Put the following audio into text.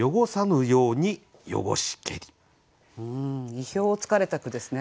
意表をつかれた句ですね